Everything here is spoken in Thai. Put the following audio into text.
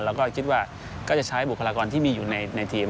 แล้วก็คิดว่าก็จะใช้บุคลากรที่มีอยู่ในทีม